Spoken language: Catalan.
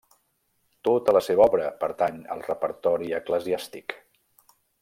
Tota la seva obra pertany al repertori eclesiàstic.